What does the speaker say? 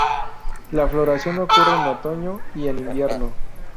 La floración ocurre en otoño y en invierno.